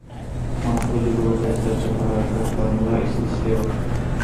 ما د حجرو د سرچپه حرکت فارموله اېستې وه.